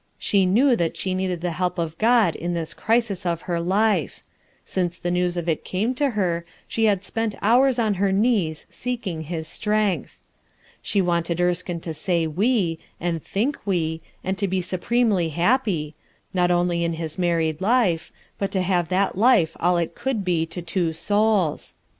She knew that she needed the help of God in this crisis of her life; since the news of it came to her*she had spent hours on her knees seeking his strength. She wanted Erskine to say "we" and think "we" and to be supremely happy, — not only in his married life, but to have that life all that it could be to two souls.